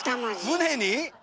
胸に？